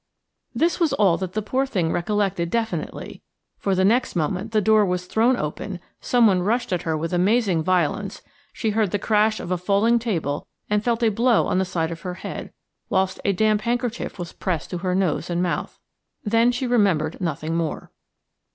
This was all that the poor thing recollected definitely, for the next moment the door was thrown open, someone rushed at her with amazing violence, she heard the crash of a falling table and felt a blow on the side of her head, whilst a damp handkerchief was pressed to her nose and mouth. Then she remembered nothing more.